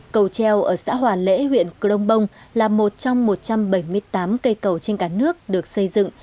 cầu treo ở xã hòa lễ huyện crong bông là một trong một trăm bảy mươi tám cây cầu trên cả nước được xây dựng